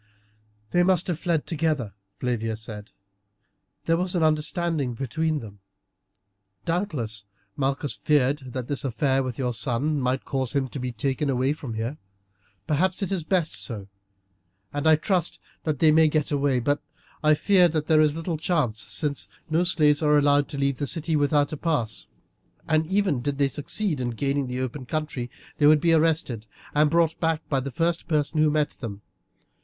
"They must have fled together," Flavia said. "There was an understanding between them. Doubtless Malchus feared that this affair with your son might cause him to be taken away from here. Perhaps it is best so, and I trust that they may get away, though I fear there is little chance, since no slaves are allowed to leave the city without a pass, and even did they succeed in gaining the open country they would be arrested and brought back by the first person who met them.